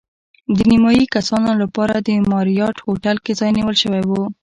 د نیمایي کسانو لپاره د ماریاټ هوټل کې ځای نیول شوی و.